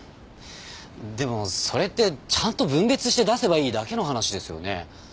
でもそれってちゃんと分別して出せばいいだけの話ですよね。